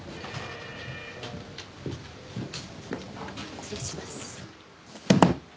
失礼します。